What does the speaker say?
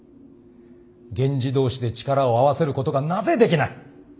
源氏同士で力を合わせることがなぜできない。